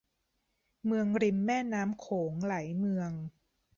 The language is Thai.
เมืองริมแม่น้ำโขงหลายเมือง